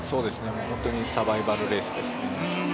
本当にサバイバルレースですね。